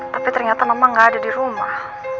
tapi ternyata memang gak ada di rumah